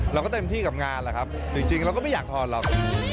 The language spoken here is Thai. เราก็เต็มที่กับงานแหละครับจริงเราก็ไม่อยากถอดหรอก